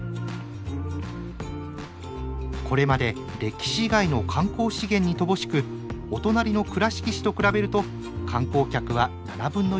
これまで歴史以外の観光資源に乏しくお隣の倉敷市と比べると観光客は７分の１ほどでした。